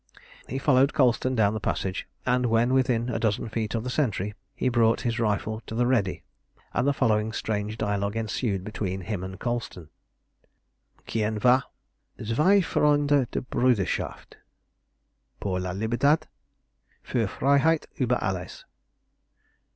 He followed Colston down the passage, and when within a dozen feet of the sentry, he brought his rifle to the "ready," and the following strange dialogue ensued between him and Colston "Quien va?" "Zwei Freunde der Bruderschaft." "Por la libertad?" "Für Freiheit über alles!"